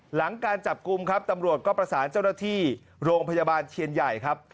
หลังการจับกลุ่มครับตำรวจก็ประสานเจ้าหน้าที่โรงพยาบาลเทียนใหญ่ครับ